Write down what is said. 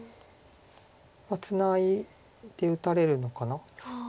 ツナいで打たれるのかな。